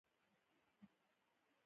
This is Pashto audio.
یو ښکلی رانه مخکی دی رهبر یی کړم کنه؟